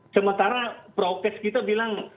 sementara proses kita bilang